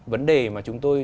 vấn đề mà chúng tôi